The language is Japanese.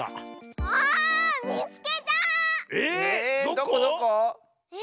どこどこ⁉え